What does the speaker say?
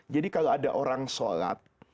jadi jika ada orang yang berslaut